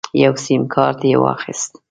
یو سیم کارت یې واخیست.